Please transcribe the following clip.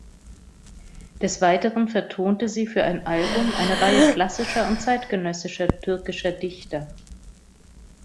Des Weiteren vertonte sie für ein Album eine Reihe klassischer und zeitgenössischer türkischer Dichter.